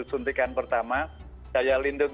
suntikan pertama daya lindung